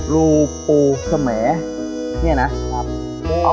รูปูเสมอเนี่ยนะครับ